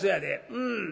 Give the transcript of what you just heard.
うん。